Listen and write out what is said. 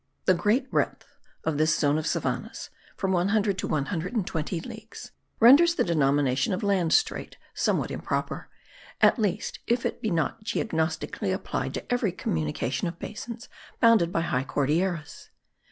The great breadth of this zone of savannahs (from 100 to 120 leagues) renders the denomination of land strait somewhat improper, at least if it be not geognostically applied to every communication of basins bounded by high Cordilleras.